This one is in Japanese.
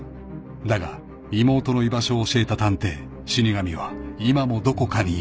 ［だが妹の居場所を教えた探偵死神は今もどこかにいる］